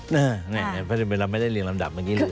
เมื่อสักครู่นี้เราไม่ได้เรียนลำดับเมื่อกี้เลย